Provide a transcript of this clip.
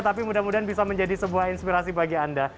tapi mudah mudahan bisa menjadi sebuah inspirasi bagi anda